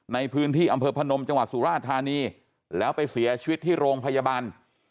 ในพื้นที่อำเภอพนมจังหวัดสุราธานีแล้วไปเสียชีวิตที่โรงพยาบาล